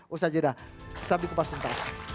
usaha jeda sampai jumpa